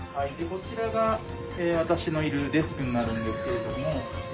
こちらが私のいるデスクになるんですけれども。